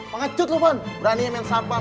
pengecut lo pan berani main satpam